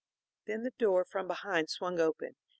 Then the door from behind swung open.